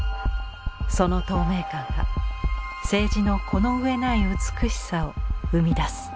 その透明感が青磁のこの上ない美しさを生み出す。